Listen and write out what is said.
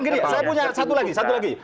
gini saya punya satu lagi satu lagi